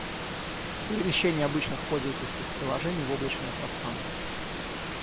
Перемещение обычных пользовательских приложений в облачное пространство.